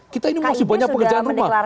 kita ini masih banyak pekerjaan rumah